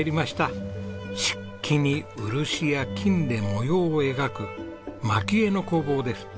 漆器に漆や金で模様を描く蒔絵の工房です。